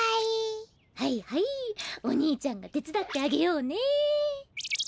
はいはいお兄ちゃんが手つだってあげようね。